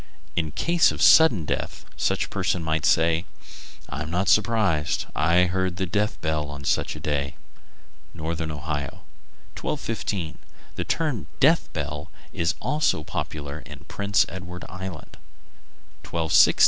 In case of a sudden death, such a person might say: "I am not surprised; I heard a death bell on such a day." Northern Ohio. 1215. The term "death bell" is also a popular one in Prince Edward Island. 1216.